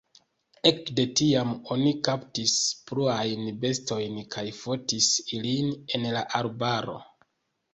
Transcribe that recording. Ekde tiam oni kaptis pluajn bestojn kaj fotis ilin en la arbaro.